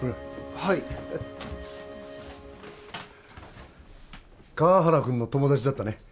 はい川原君の友達だったね